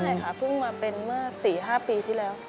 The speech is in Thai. ใช่ค่ะเพิ่งมาเป็นเมื่อ๔๕ปีที่แล้ว